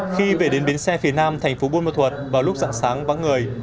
khi về đến biến xe phía nam thành phố bôn mô thuật vào lúc dặn sáng vắng người